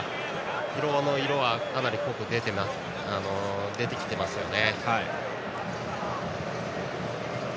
疲労の色はかなり濃く出ていますね。